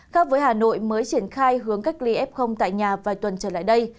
khác với hà nội mới triển khai hướng cách ly f tại nhà vài tuần trở lại đây